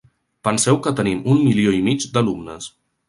Penseu que tenim un milió i mig d’alumnes.